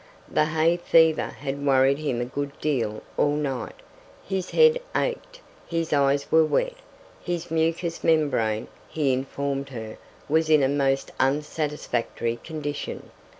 The hay fever had worried him a good deal all night. His head ached, his eyes were wet, his mucous membrane, he informed her, was in a most unsatisfactory condition.